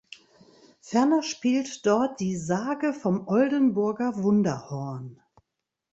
Ferner spielt dort die "Sage vom Oldenburger Wunderhorn".